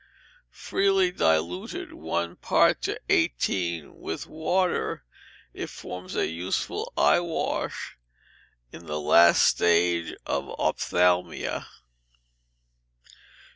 Freely diluted (one part to eighteen) with water, it forms a useful eye wash in the last stage of ophthalmia.